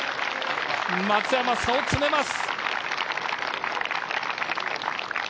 松山、差を詰めます。